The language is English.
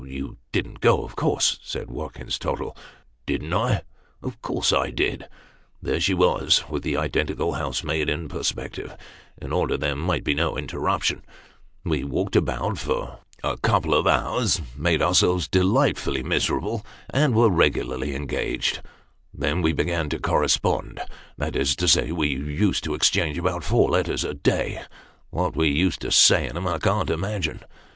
" You didn't go, of course ?" said Watkins Tottle. " Didn't I ? Of course I did. There she was, with the identical housemaid in perspective, in order that there might be no interruption. We walked about, for a couple of hours ; made ourselves delightfully miserable ; and were regularly engaged. Then, we began to ' corre spond ' that is to say, we used to exchange about four letters a day ; what we used to say in 'em I can't imagine.